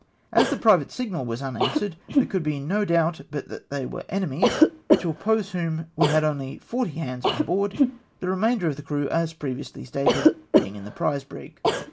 As the private signal was unanswered, there could be no doubt but that they were enemies, to oppose whom we had only forty hands on board, the remainder of the crew, as previously stated, being in the prize brig.